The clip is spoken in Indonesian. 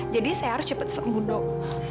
jadi saya harus cepat sesungguh dok